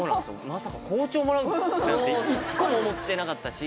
まさか包丁もらうなんていっこも思ってなかったし